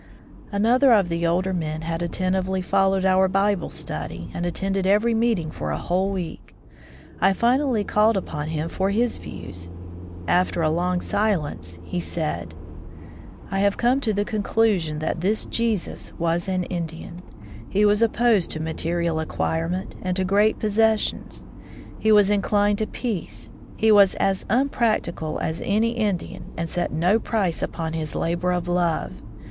Another of the older men had attentively followed our Bible study and attended every meeting for a whole week. I finally called Ui Civilization as Preax^hed and Practised upon him for his views. After a long silence, he said : "I have come to the conclusion that this Jesus was an Indian. He was opposed to material acquirement and to great posses sions. He was inclined to peace. He was as unpractical as any Indian and set no price upon his labor of love.